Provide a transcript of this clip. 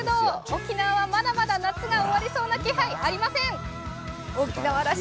沖縄はまだまだ、夏が終わりそうな気配ありません。